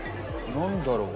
何だろう。